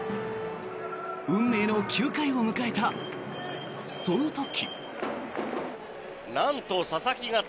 運命の９回を迎えたその時。